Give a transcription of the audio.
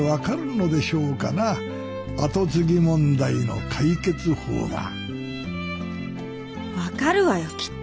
後継ぎ問題の解決法が分かるわよきっと。